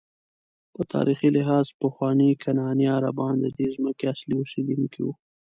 په تاریخي لحاظ پخواني کنعاني عربان ددې ځمکې اصلي اوسېدونکي وو.